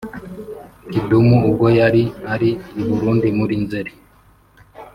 Kidumu ubwo yari ari i Burundi muri Nzeli